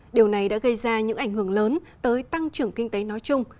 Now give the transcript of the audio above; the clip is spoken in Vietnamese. điều này đã gây ra những ảnh hưởng lớn tới tăng trưởng kinh tế nói chung